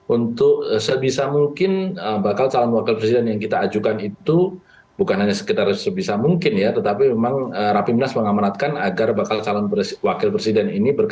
untuk sebisa mungkin bakal calon wakil presiden yang kita ajukan itu bukan hanya sekedar sebisa mungkin ya tetapi memang rapimnas mengamanatkan agar bakal calon wakil presiden ini berbeda